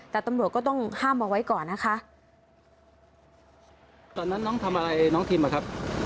แต่ตำรวจก็ต้องห้ามเอาไว้ก่อนนะคะ